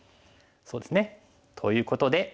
そうですね。ということで。